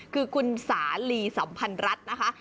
คือคุณสาลีสัมพันธ์รัฐนะคะ